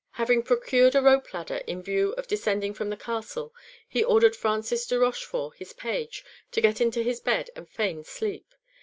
Having procured a rope ladder in view of descending from the castle, he ordered Francis de Rochefort, his page, to get into his bed and feign sleep.